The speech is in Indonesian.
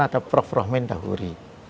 ada prof rohmen dahuri